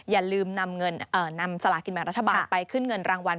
อย่าลืมนำสลากินแบ่งรัฐบาลไปขึ้นเงินรางวัล